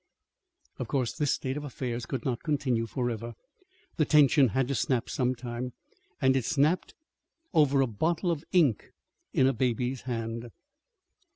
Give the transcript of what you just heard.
Of course this state of affairs could not continue forever. The tension had to snap sometime. And it snapped over a bottle of ink in a baby's hand.